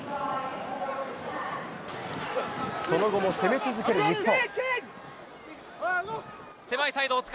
その後も攻め続ける日本。